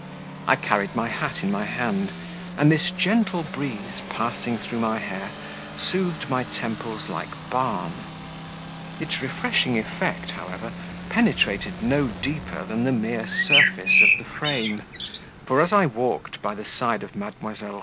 I carried my hat in my hand, and this gentle breeze, passing through my hair, soothed my temples like balm. Its refreshing effect, however, penetrated no deeper than the mere surface of the frame; for as I walked by the side of Mdlle.